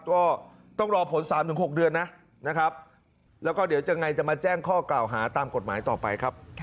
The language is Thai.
ก็ต้องรอผล๓๖เดือนนะนะครับแล้วก็เดี๋ยวยังไงจะมาแจ้งข้อกล่าวหาตามกฎหมายต่อไปครับ